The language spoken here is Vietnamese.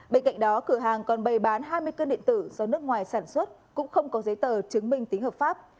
bên cạnh đó cửa hàng còn bày bán hai mươi cân điện tử do nước ngoài sản xuất cũng không có giấy tờ chứng minh tính hợp pháp